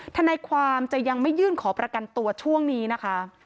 ทนายความจะยังไม่ยื่นขอประกันตัวช่วงนี้นะคะ